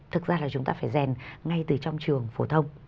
thực ra là chúng ta phải rèn ngay từ trong trường phổ thông